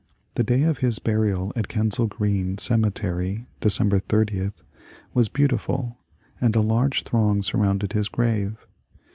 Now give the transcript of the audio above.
The day of his burial at Kensal Green cemetery (December 80) was beautiful, and a large throng surrounded his grave.